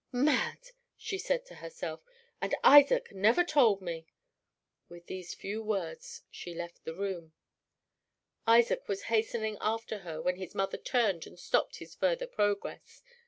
"Mad!" she said to herself; "and Isaac never told me." With these few words she left the room. Isaac was hastening after her when his mother turned and stopped his further progress.